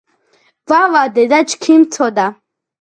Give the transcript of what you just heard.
ვავა დედა ჩქიმ ცოდა